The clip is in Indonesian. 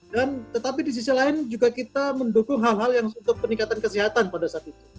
dan tetapi di sisi lain juga kita mendukung hal hal yang untuk peningkatan kesehatan pada saat itu